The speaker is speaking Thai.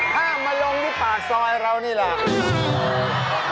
ห้ามมาลงที่ปากซอยเรานี่แหละ